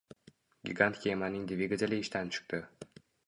Gigant kemaning dvigateli ishdan chiqdi.